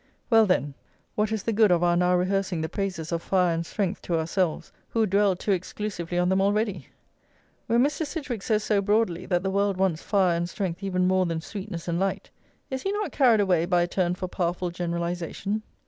Well, then, what is the good of our now rehearsing the praises of fire and strength to ourselves, who dwell too exclusively on them already? When Mr. Sidgwick says so broadly, that the world wants fire and strength even more than sweetness and light, is he not carried away by a turn for powerful generalisation?